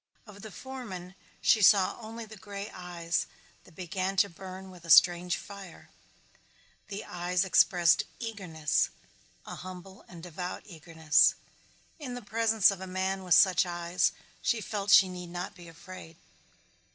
Of the foreman she saw only the gray eyes that began to burn with a strange fire. The eyes expressed eagerness, a humble and devout eagerness. In the presence of a man with such eyes she felt she need not be afraid.